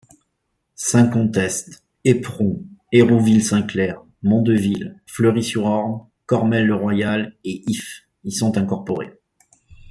Saint-Contest, Épron, Hérouville-Saint-Clair, Mondeville, Fleury-sur-Orne, Cormelles-le-Royal et Ifs y sont incorporés.